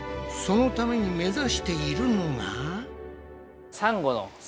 そのために目指しているのが？